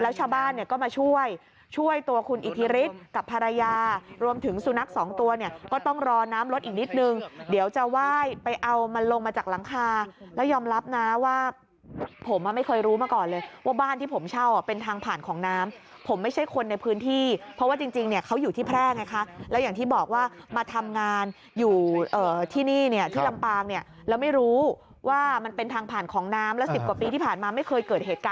ไว้ตัวคุณอิทธิฤทธิ์กับภรรยารวมถึงสุนัขสองตัวเนี้ยก็ต้องรอน้ำรถอีกนิดนึงเดี๋ยวจะไหว้ไปเอามันลงมาจากหลังคาแล้วยอมรับนะว่าผมอะไม่เคยรู้มาก่อนเลยว่าบ้านที่ผมเช่าอ่ะเป็นทางผ่านของน้ำผมไม่ใช่คนในพื้นที่เพราะว่าจริงจริงเนี้ยเขาอยู่ที่แพร่ไงคะแล้วอย่างที่บอกว่ามาทำงานอย